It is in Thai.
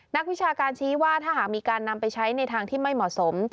นักวิชาการชี้ว่าถ้าหากมีการนำไปใช้ในทางที่ไม่เหมาะสม